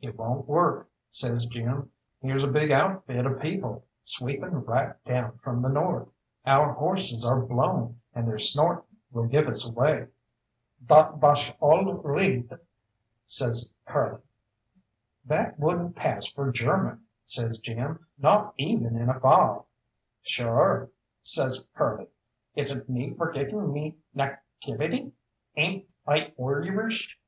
"It won't work," says Jim, "here's a big outfit of people sweeping right down from the north. Our horses are blown, and their snorting will give us away." "Dot vash all righd," says Curly. "That wouldn't pass for German," says Jim, "not even in a fog." "Shure," says Curly, "is it me forgettin' me nativity? Amn't I Oirish?"